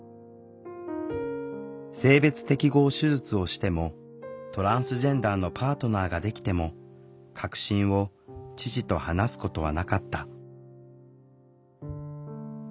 性別適合手術をしてもトランスジェンダーのパートナーができても核心を父と話すことはなかった。